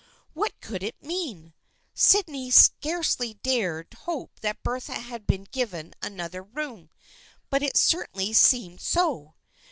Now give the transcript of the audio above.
What could it mean ? Syd ney scarcely dared hope that Bertha had been given another room, but it certainly seemed so.